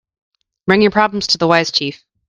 Bring your problems to the wise chief.